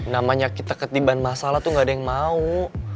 namanya kita ketibaan masalah tuh nggak ada yang mau